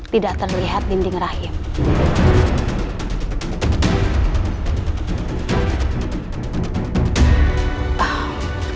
tidak terlihat dinding rahim